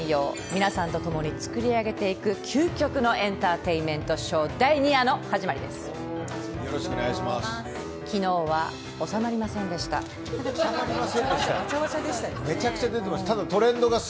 皆さんとともに作り上げていく究極のエンターテインメントショーのよろしくお願いします。